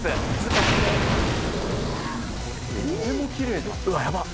「トテもきれいだ」